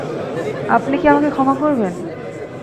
আপনি কী আমাকে ক্ষমা করবেন?